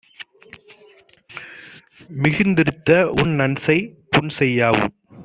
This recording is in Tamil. மிகுத்திருந்த உன்நன்செய், புன்செய்யாவும்